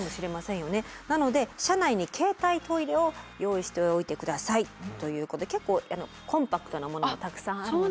なので車内に携帯トイレを用意しておいてくださいということで結構コンパクトなものがたくさんあるので。